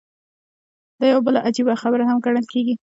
دا يوه بله عجيبه خبره هم ګڼل کېږي.